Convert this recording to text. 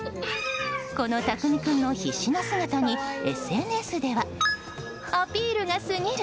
このたくみ君の必死な姿にＳＮＳではアピールがすぎる！